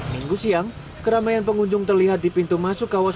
minggu siang keramaian pengunjung terlihat di pintu masuk kawasan